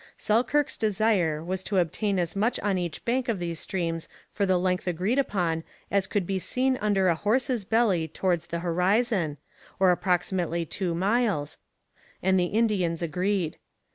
Selkirk's desire was to obtain as much on each bank of these streams for the length agreed upon as could be seen under a horse's belly towards the horizon, or approximately two miles, and the Indians agreed.